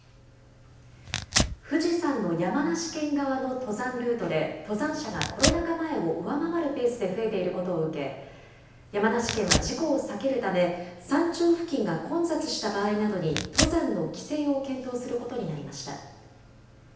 富士山の山梨県側の登山ルートで、登山者がコロナ禍前を上回るペースで増えていることを受け、山梨県は事故を避けるため、山頂付近が混雑した場合などに、登山の規制を検討することになりました。